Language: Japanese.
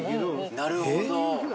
なるほど。